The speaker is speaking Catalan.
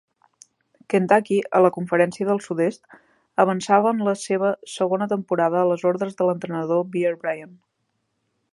Kentucky, a la conferència del sud-est, avançava en la seva segona temporada a les ordres de l'entrenador Bear Bryant.